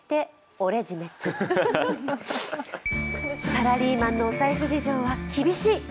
サラリーマンのお財布事情は厳しい。